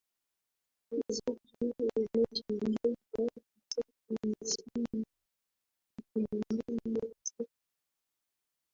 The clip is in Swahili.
zetu umejengeka katika misingi ya kulindana katika maovu